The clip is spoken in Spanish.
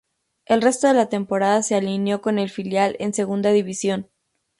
El resto de la temporada se alineó con el filial, en Segunda División.